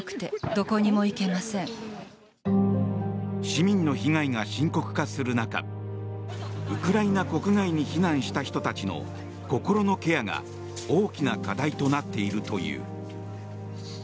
市民の被害が深刻化する中ウクライナ国外に避難した人たちの心のケアが大きな課題となっているという。